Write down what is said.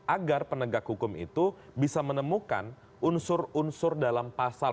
agar penegak hukum itu bisa menemukan unsur unsur dalam pasal